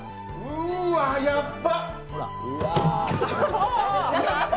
うーわ、やっば。